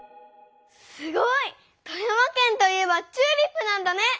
すごい！富山県といえばチューリップなんだね！